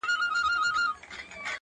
د سلگيو ږغ يې ماته را رسيږي~